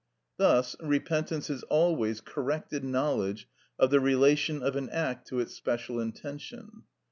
Thus repentance is always corrected knowledge of the relation of an act to its special intention.